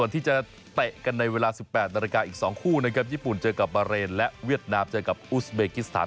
ที่จะเตะกันในเวลา๑๘นาฬิกาอีก๒คู่นะครับญี่ปุ่นเจอกับบาเรนและเวียดนามเจอกับอุสเบกิสถาน